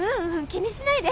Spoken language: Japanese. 気にしないで。